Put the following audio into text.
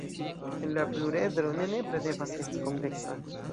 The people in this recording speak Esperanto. La pluredro ne nepre devas esti konveksa.